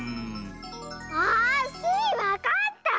あ！スイわかった！